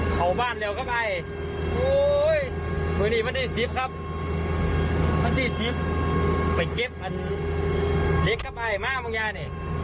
คุณพี่น้องครับเอาอีกแล้วคุณ